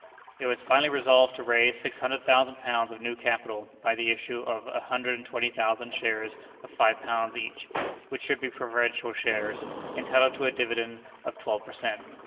It was finally resolved to raise six hundred thousand pounds of new capital by the issue of a hundred and twenty thousand shares of five pounds each, which should be preferential shares, entitled to a dividend of twelve per cent.